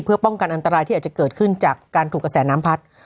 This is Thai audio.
เพื่อป้องกันอันตรายที่อาจจะเกิดขึ้นจากการถูกกระแสน้ำพัด